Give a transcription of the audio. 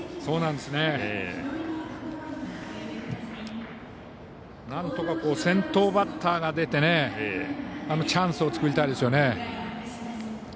なんとか先頭バッターが出てチャンスを作りたいですよね。